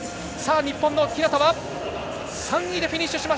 日本の日向は３位でフィニッシュ。